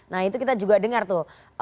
nah itu kita juga dengar tuh